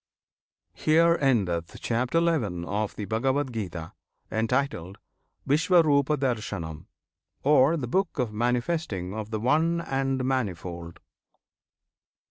HERE ENDETH CHAPTER XI. OF THE BHAGAVAD GITA, Entitled "Viswarupadarsanam," Or "The Book of the Manifesting of the One and Manifold."